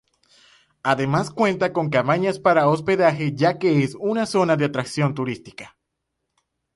Además cuenta con cabañas para hospedaje ya que es una zona de atracción turística.